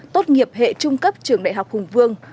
tốt nghiệp hệ trung cấp trường đại học hùng vương